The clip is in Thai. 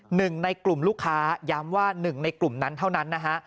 หนึ่งในกลุ่มลูกค้าย้ำว่าหนึ่งในกลุ่มนั้นเท่านั้นนะฮะ